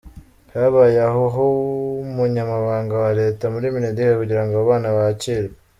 Habaye ah’ Umunyamabanga wa Leta muri Mineduc kugira ngo abo bana bakirwe .